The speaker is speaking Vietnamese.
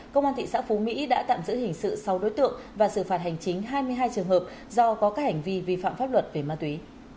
công an thị xã phú mỹ đã tạm giữ hình sự sáu đối tượng và xử phạt hành chính hai mươi hai trường hợp do có các hành vi vi phạm pháp luật về ma túy